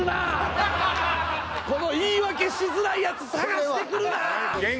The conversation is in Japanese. この言い訳しづらいやつ探してくるなー！